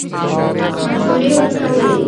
مشورې ورکولې.